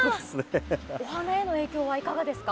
お花への影響はいかがですか？